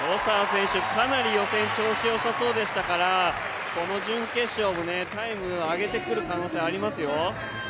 かなり予選、調子よさそうでしたからこの準決勝もタイム上げてくる可能性ありますよ。